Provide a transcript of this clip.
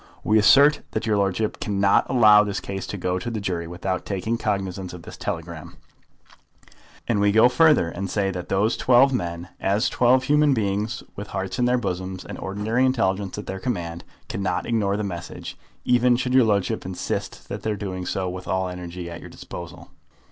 We assert that your ludship cannot allow the case to go to the jury without taking cognisance of this telegram; and we go further, and say that those twelve men, as twelve human beings with hearts in their bosoms and ordinary intelligence at their command, cannot ignore the message, even should your ludship insist upon their doing so with all the energy at your disposal."